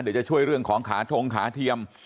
เดี๋ยวจะช่วยเรื่องของขาทงขาเทียม